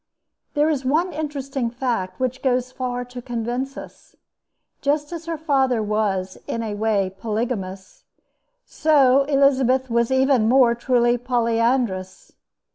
There is one interesting fact which goes far to convince us. Just as her father was, in a way, polygamous, so Elizabeth was even more truly polyandrous.